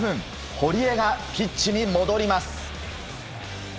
堀江がピッチに戻ります。